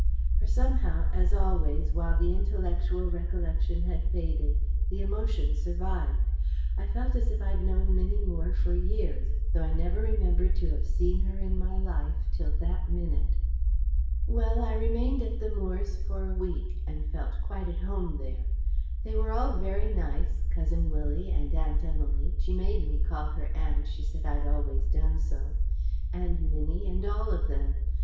For somehow, as always, while the intellectual recollection had faded, the emotion survived. I felt as if I'd known Minnie Moore for years, though I never remembered to have seen her in my life till that minute. Well, I remained at the Moores' for a week, and felt quite at home there. They were all very nice, Cousin Willie, and Aunt Emily (she made me call her aunt; she said I'd always done so), and Minnie, and all of them.